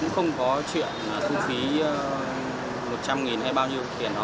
không có chuyện thu phí một trăm linh hay bao nhiêu tiền